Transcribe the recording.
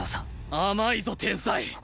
甘いぞ天才。